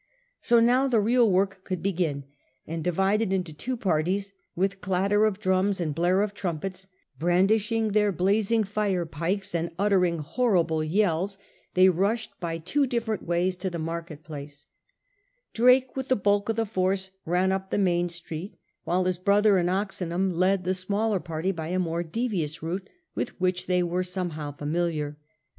So now the real work could begin, and divided into two parties, with clatter of drums and blare of trumpets, brandishing their blazing fire pikes and uttering horrible yells, they rushed by two different ways to the market placa Drake with the bulk of the force ran up the main street, while his brother and Oxenham led the smaller party by a more devious route with which they were somehow familiar.